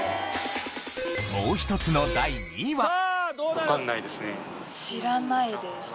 もう一つの第２位は。